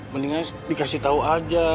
mendingan dikasih tau aja